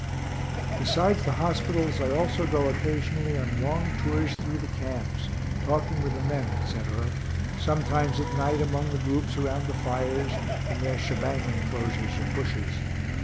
Besides the hospitals, I also go occasionally on long tours through the camps, talking with the men, etc.; sometimes at night among the groups around the fires, in their shebang enclosures of bushes.